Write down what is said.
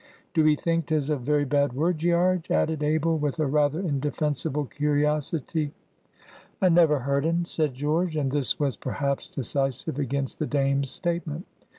Do 'ee think 'tis a very bad word, Gearge?" added Abel, with a rather indefensible curiosity. "I never heard un," said George. And this was perhaps decisive against the Dame's statement.